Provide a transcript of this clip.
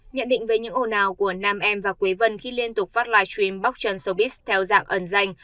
nhận định về những ồn ào của nam em và quế vân khi liên tục phát livestream bóc chân showbiz theo dạng ẩn danh